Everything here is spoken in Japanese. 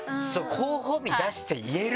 「候補日出して」言える？